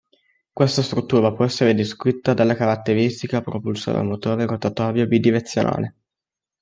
Questa struttura può essere descritta dalla caratteristica "propulsore a motore rotatorio bidirezionale".